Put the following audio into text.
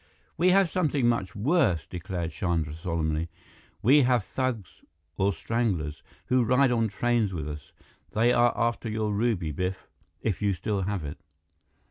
"We have something much worse," declared Chandra solemnly. "We have thugs, or stranglers, who ride on trains with us. They are after your ruby, Biff, if you still have it."